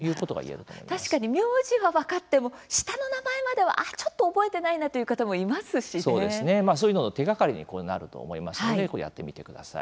確かに名字は分かっても下の名前まではちょっと覚えてないなそうですね、そういうのも手がかりになると思いますのでやってみてください。